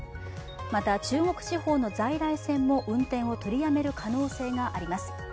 また、中国地方の在来線も運転を取りやめる可能性があります。